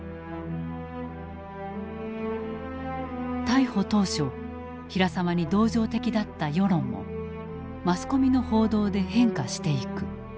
逮捕当初平沢に同情的だった世論もマスコミの報道で変化していく。